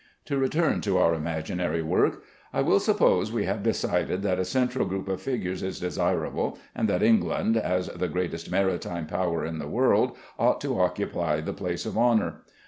To return to our imaginary work; I will suppose we have decided that a central group of figures is desirable, and that England, as the greatest maritime power in the world, ought to occupy the place of honor.